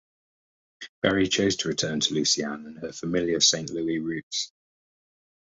Berry chose to return to Lucy Ann and her familiar Saint Louis roots.